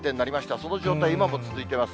その状態、今も続いています。